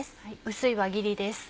薄い輪切りです。